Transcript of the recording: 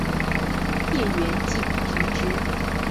叶缘近平直。